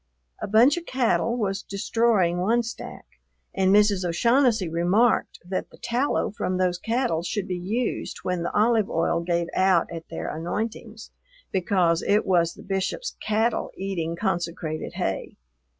A bunch of cattle was destroying one stack, and Mrs. O'Shaughnessy remarked that the tallow from those cattle should be used when the olive oil gave out at their anointings, because it was the Bishop's cattle eating consecrated hay.